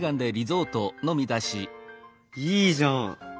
いいじゃん。